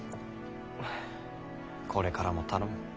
これからも頼む。